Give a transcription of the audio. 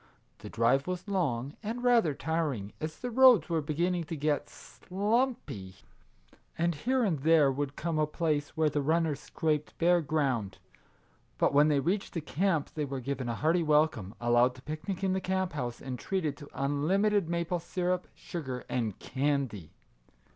The drive was long, and rather tiring, as the roads were beginning to get " slumpy," and here and there would come a place where the runners scraped bare ground. But when they reached the camp they were given a hearty welcome, allowed to picnic in the camp house, and treated to unlimited maple syrup, sugar, and candy.